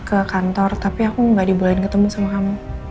ke kantor tapi aku nggak dibolehin ketemu sama kamu